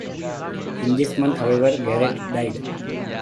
In this month, however, Garrett died.